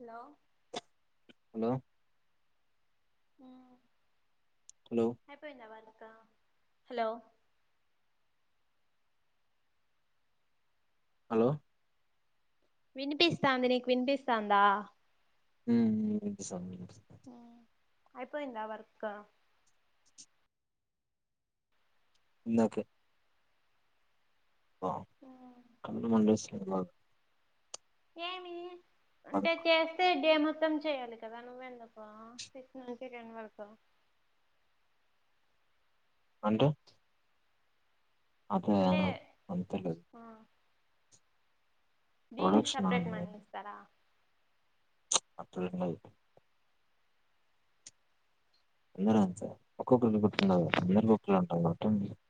Hello hello హ్ hello అయిపోయిందా work hello hello వినిపిస్తాంది నీకు వినిపిస్తాందా హ్ వినిపిస్తంది వినిపిస్తంది అయిపోయిందా వర్కు ఇందాకే అ కళ్ళుమండేస్తున్నాయి ఇలాగా ఏమి అంటే పడుకో చేస్తే డే మొత్తం చేయాలి. కదా నువ్వేందుకో సిక్స్ నుంచి టెన్ వరకు అంటే అదే అ అంటే అంతేకదు [unintelligible] దీనిక్ ప్రొడక్షన్ సపరేట్ మనీఇస్తారా అట్లున్నది అందరు అ సార్ ఒక్కొక్కరికి గుట్ండదా అందరుూ గుట్లు ఉంటాారుట్టండి [unintelligible]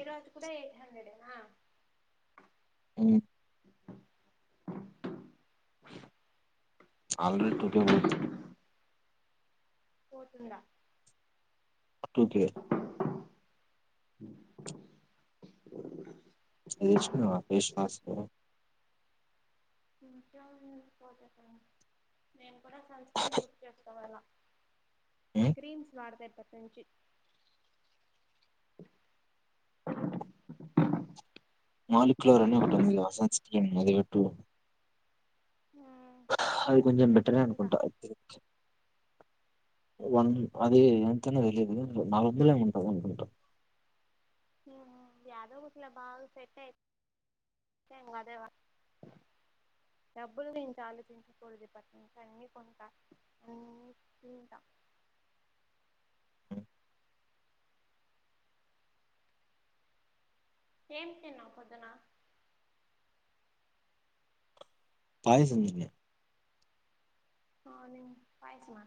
ఈరోజు కూడ ఎయిట్ హండ్రెడ్నా హ్మ్ ఆల్రెడీ టూ కే పోద్ది పోతుందా టూకే తీసుకున్నావా ఫేస్వాష్ ఇంకాే పోత కడి నేను కూడా సన్ స్క్రీన్ బుక్ చేసుకోవాల ఉమ్ [unintelligible] క్రీమ్స్ వాడత ఇప్పటి నుంచి మాలిక్యులర్ అని ఒకటి ఉంది సన్స్క్రీన్ అదిగట్టు అది కొంచెం బెటరే పెట్టుకుంటా అనుకుంటా వన్ అది ఎంతైనా తెలియదు నాలుగు వందలు ఏమోఉంటాది అనుకుంటా హ యాదో గుట్లా బాగా సెట్ అయితే ఏంగా అదేవా డబ్బులు నుంచి ఆలోచించకూడదు పటి నుంచి అన్నీ కొంటా అన్నీ తింటా ఏమి తిన్నావు పొద్దున పాయసము తిన్నె పాయసమా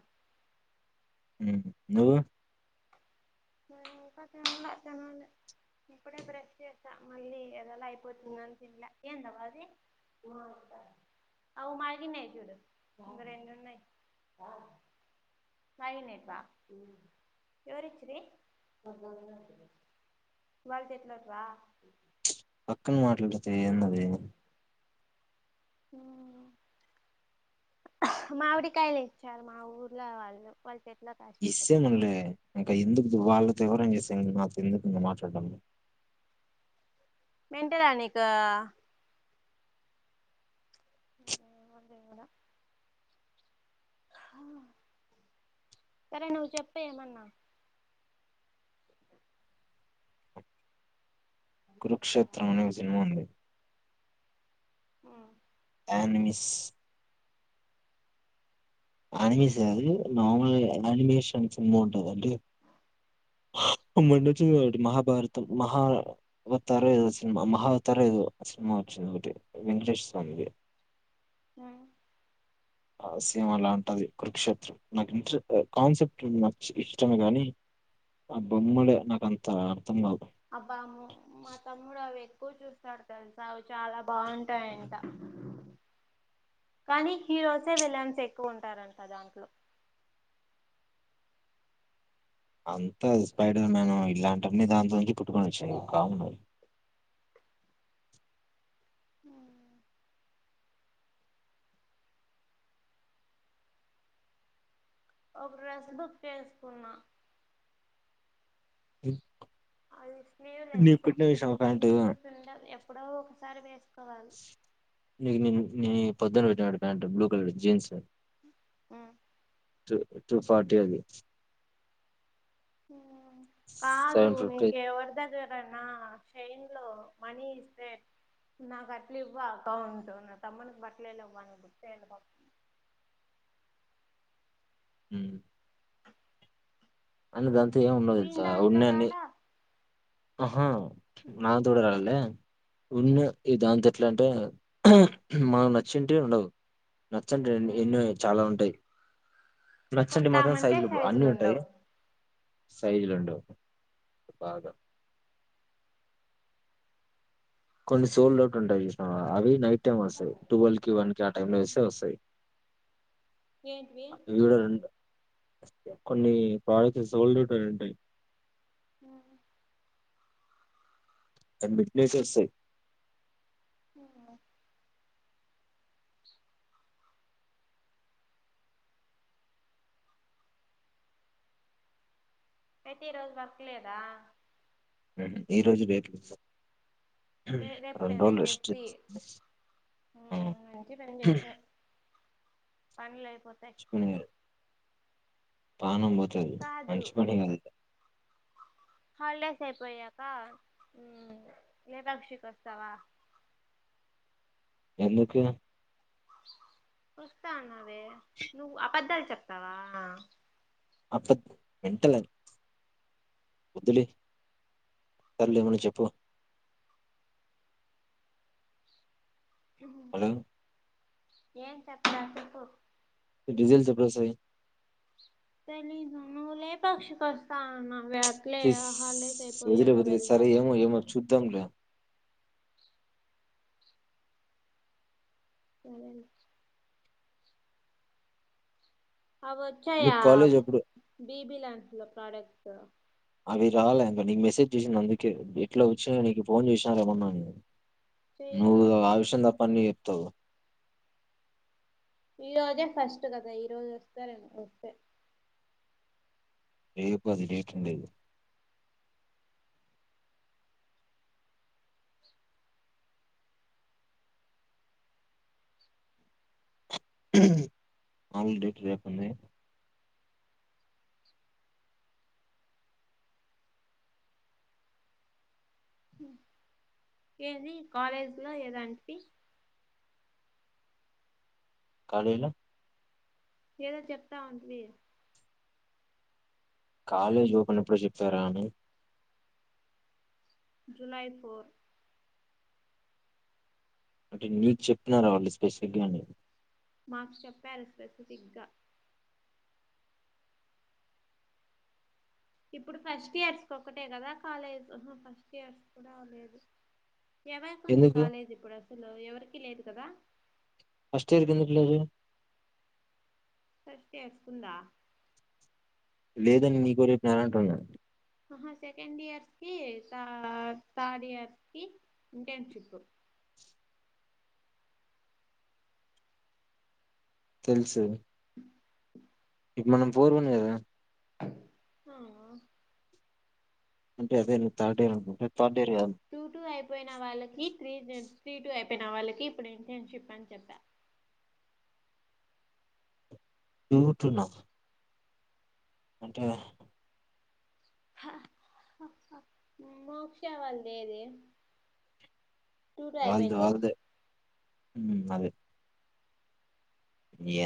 హ్మ్ నువ్వు మేము ఇంకా తినలే, తినాలి ఇప్పుడే బ్రష్ చేస్తా మళ్ళీ ఏదోలా అయిపోతుందని తిల్లే ఏంటవా అది బోండా [unintelligible] అవు మాకిన్న అయి చూడు అందరెన్నున్నాయి మైనేపా [unintelligible] ోరిచ్చి వాళ చెట్లోటివ పక్కన్ మాటలాతే ఎన్నది [unintelligible] హా మావిడి కాయ లే ఇచ్చారు మా ఊరులా వాళ్ళు వాళ్ ఇస్సేమనులే ఇంకా ఎందుకు వాళ్ళతో యవ్వారం చేసే నాకు ఎందుకు ఇంక మాట్లాడడం మంటరా నకు [unintelligible] వంద మ [unintelligible] సరే నువ్వు చెప్పు ఏమన్నా కురుక్షేత్రం అనే ఒక సినిమా ఉంది ఆ ఆనిమిస్ ఆనిమేష్ అది నార్మల్గా ఆనిమేషన్ సినిమా ఉంట అంటే మొన్న వచ్చింది కదా ఒకటి మహాభారతం మహావతారా ఏదో సినిమా మహావతారా ఏదో సినిమా వచ్చింది ఒకటి వెంకటేష్ స్వామిది హ్మ్ సమాల [unintelligible] అది కురుక్షేత్రం నాకు ఇన్ కాన్సెప్ట్ ఇష్టమే గాని ఆ బొమ్మలే నాకంత అర్థం కావు అబ్బా అమ్ మా తమ్ముడు అవి ఎక్కువ చూస్తాడు తెలుసా అ చాలా బాగుంటాయంట అ కానీ హీరోసే విలన్స్ ఎక్కువ ఉంటారంట దాంట్లో అంత స్పైడల్ మ్యాన్ ఇలాంటిన్న దాంతో నుంచి పుట్టుకొని వచ్చాయి కామన్ ఉ ఒక డ్రెస్ బుక్ చేసుకున్నా ఇ అది స్లీవ్లెస్ ప్యాంట్ స్లీవ్స్ండ నేను [unintelligible] ఎప్పుడో ఒకసారి వేసుకోవాలి నీకు నీ నీ పొద్దున పెట్టినాడు ప్యాంట్ బ్లూ కలర్ జీన్స్ అ టూ టూ ఫార్టీ అది ఊ కాదు సెవెన్ ఫిఫ్టీ నీకు ఎవరిదగ్గరన్న షై ఇందులో మనీ ఇస్తే నాకు అట్ల ఇవ్వు అకౌంట్ నా తమ్మనికి బట్టలే లేవ్ [inaudible] ఉ అని దాంతో ఏమి ఉండదు వీన్ తెలుసా దాంట్లో ఉన్నయాన్ని రాలా ఆహా నా తూడరాలలేే ఉన్న ఈ దాంతో ఎట్లా అంటే మనం నచ్చింటే ఉండదు నచ్చింది ఎన్నో చాలా ఉంటాయి నచ్చండి మాత్రం కొందామంటే సైజులు అన్ని ఉంటాయి ఉండవు సైజులు ఉండవ్ బాగా కొన్ని సోల్ అట్ ఉంటాయి చూసినవ అవి నైట్ వస్తాయి టువెల్ కి వన్ కి ఆ టైమ్ లో వస్తే వస్తాయి ఏంటివి ఇవి కూడా రెండు కొన్ని ప్రోడక్ట్స్ సోల్డ్ ఔట్ అని ఉంటాయి అ అడ్మిట్లే [unintelligible] వస్తాయి వునా అయితే ఈ రోజు వర్క్ లేదా లేదు ఈ రోజు రేపు లే రేపు రెండు రోజులు లేదైతే రెస్ట్ ఫ్రీ మంచి ఊ మంచి పని చేశావ్ పనులే అయి ఉన్నాయ్ పానం పోతది కాదు మంచి పని కాదు హాలిడేస్ అయిపోయాక లేపాక్షికి వస్తావా ఎందుకు వస్తా అన్నవే నువ్వు అబద్దాలు చెప్తావా అబద్ధ మెంటల్ వద్దులే సర్లే ఏమన్నా చెప్పు హలో ఏం చెప్పడా చెప్పు నీ రిజెల్స్ ఎప్పుడూ వస్తాయి తెలీదు నువ్వు లేపాక్షి కి వస్తా అన్నావ్ నువ్వే అట్లే ప్లీజ్ హాలిడేస్ అయిపోయాక వెళ్దాము అని దంలే సరేలే అవి వచ్చాయా మీకు కాలేజ్ ఎప్పుడు బిబి లన్స్ లో ప్రడేక్ట్స్ అవి రాలే ఇంకా నీకు మెసేజ్ చేసింది అందుకే ఎట్లా వచ్చినయ నీకు ఫోన్ చేసినా రేమన్నా నేను చేయలే నువ్వు వాళ్ళు ఆవిషయం తప్ప అన్ని చెప్తావు ఈరోజే ఫస్ట్ కదా ఈరోజు వస్తే రెపూ వస్తే రేపు అది డేట్ ఉంది [unintelligible] రేపు ఉంది ఏది కాలేజ్ లో ఏదంటి కాలేజ్ లో ఏదో చెప్తా ఆంటీవి కాలేజ్ ఓపెన్ ఎప్పుడో చెప్పారా అని జులై ఫోర్ అంటే నీకు చెపినారా వాళ్ళు స్పెసిఫిగా అని మాకు చెప్పారు స్పెసిఫిక్ గా ఇప్పుడు ఫస్ట్ ఇయర్స్ కి ఒక్కటే కదా కాలేజ్ ఫస్ట్ ఇయర్స్ కూడా లేదు ఎవరికి ఉంది ఎందుకు కాలేజీ ఇప్పుడు అసలు ఎవరికి లేదు కదా ఫస్ట్ ఇయర్ కి ఎందుకు లేదు ఫస్ట్ ఇయర్స్ కి ఉందా లేదని నీకు ఎవరు చెప్పినారు అంటున్నా ఆహ సెకండ్ ఇయర్స్ కి థర్డ్ ఇయర్స్ కి ఇంటర్న్షిప్ తెలుసు ఇప్పు మనం పోర్ ఉన్నాది కదా అవును అంటే అదే థర్డే అనుకుంట టూ టూ అయిపోయినా వాళ్ళకి త్రీ త్రీ టూ అయిపోయినా వాళ్ళకి ఇప్పుడు ఇంటర్న్షిప్ అని చెప్పారు వింటున్న అంటే హ మోక్ష వాల్దేది టూ టూ అయిపోయింది కదా ఉ అదే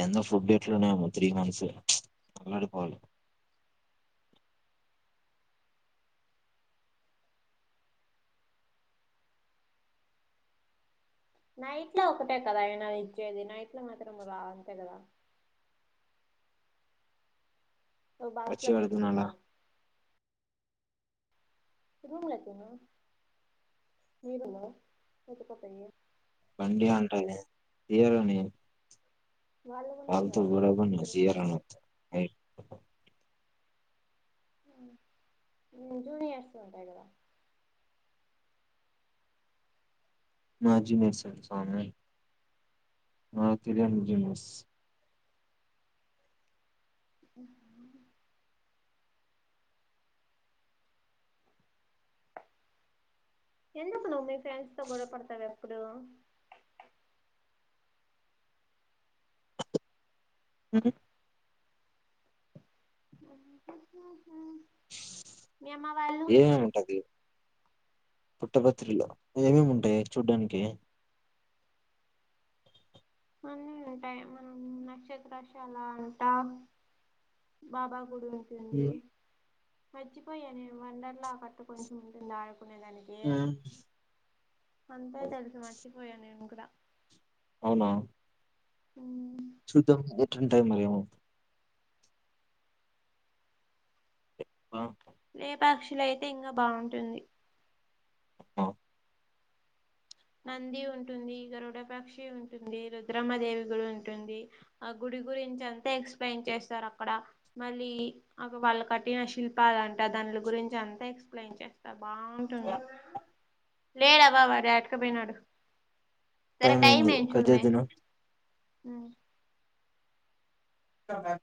ఎండి ఫుడ్ ఏట్లునేమో త్రీ మంత్స్ ఆలాడిపోవాలి నైట్ లో ఒకటే కదా ఏనా ఇచ్చేది నైట్ లో మాత్రం రా అంతే కదా బాక్స్ వచ్చి ల పెట్టి పెట్టీ ఉంచుతా అడుగుతున్నాలా రూమ్ల తిను రూంలో పెట్టక పోయి పండు అంటది ఇయ్యామని వాళ్ళు ఉన్నాయి కాల్ కదా చేయలేదు మీరు ఇద్దరుగా చేయరా జూనియర్స్ ఉంటాయి కదా మా జూనియర్స్ [unintelligible] ఆ ఎందుకు నువ్వు మీ ఫ్రెండ్స్ తో గొడవ పడుతావ్ ఎప్పు డు హ్మ్ మీ అమ్మ వాళ్ళు ఏం అయి ఉంటాది పుట్టపత్రిలో ఏమేమింటాయి చూడ్డానికి అన్నీంటాయి మనం నక్షత్రశాల అంటా బాబా గుడి ఉంటుంది ఉమ్. మర్చిపోయా వండర్లో ఆ కట్టటు కొంచెం ఉంటుంది ఆడు కునేదానికి అంతే తెలుసు మర్చిపోయా నేను కూడా అవునా హ్మ్ చూద్దాం [unintelligible] ఆ లేపాక్షి లో అయితే ఇంకా బాగుంటుంది అ నంది ఉంటుంది గరుడపక్షి ఉంటుంది రుద్రమ్మ దేవి కూడా ఉంటుంది ఆ గుడి గురించి అంతా ఎక్స్ప్లెయిన్ చేస్తారు అక్కడ మళ్ళీ అ వాళ్ళ కట్టిన శిల్పాలంటే గురించింత ఎక్స్ప్లెయిన్ చేస్తాం బాగుంటుంది లేడవా వాడి అటకపోయినాడు సరే టైం టైమ అయింది కట్ చూడమే చేద్దునా సా